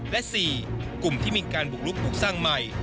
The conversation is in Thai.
และ๔กลุ่มที่มีการบุกลุกปลูกสร้างใหม่